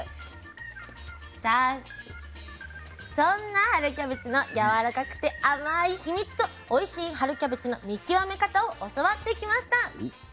さあそんな春キャベツのやわらかくて甘い秘密とおいしい春キャベツの見極め方を教わってきました。